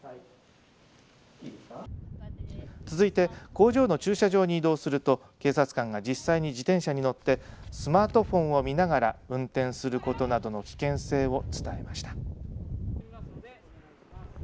続いて工場の駐車場に移動すると警察官が実際に自転車に乗ってスマートフォンを見ながら運転することなどの危険性を伝えました。